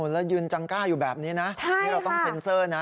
แล้วยืนจังกล้าอยู่แบบนี้นะนี่เราต้องเซ็นเซอร์นะ